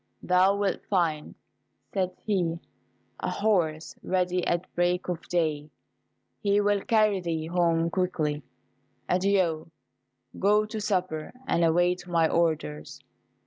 "Thou wilt find," said he, "a horse ready at break of day. He will carry thee home quickly. Adieu go to supper, and await my orders."